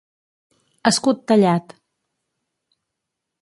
Escut tallat.